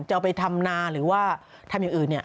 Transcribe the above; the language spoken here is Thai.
จะเอาไปทำนาหรือว่าทำอย่างอื่น